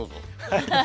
はい。